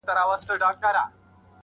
د سرو شرابو د خُمونو د غوغا لوري.